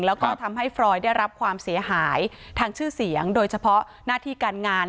แล้วก็ทำให้ฟรอยได้รับความเสียหายทางชื่อเสียงโดยเฉพาะหน้าที่การงาน